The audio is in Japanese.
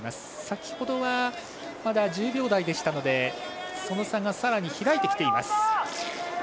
先ほどはまだ１０秒台でしたのでその差がさらに開いてきています。